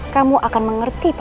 kamu akan menangis